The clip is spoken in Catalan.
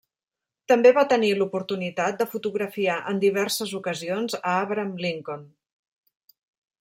També va tenir l'oportunitat de fotografiar en diverses ocasions a Abraham Lincoln.